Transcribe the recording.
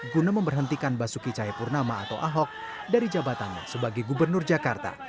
guna memberhentikan basuki cahayapurnama atau ahok dari jabatannya sebagai gubernur jakarta